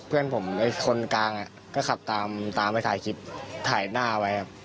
เพื่อนผมคนกลางก็ขับตามไปถ่ายคลิปถ่ายหน้าไว้ครับ